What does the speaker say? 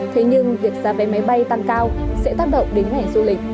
thế nhưng việc giá vé máy bay tăng cao sẽ tác động đến ngày du lịch